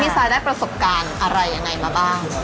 ซายได้ประสบการณ์อะไรยังไงมาบ้าง